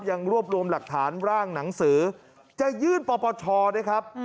ยังรวบรวมหลักฐานร่างหนังสือจะยื่นปปชนะครับ